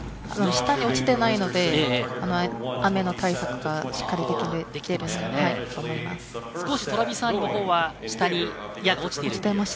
下に落ちてないので、雨の対策がしっかりできていると思います。